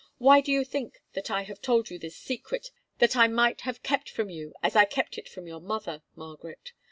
Why do you think that I have told you this secret, that I might have kept from you as I kept it from your mother, Margaret?